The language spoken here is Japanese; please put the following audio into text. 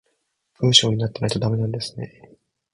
文章になってないとダメなんですね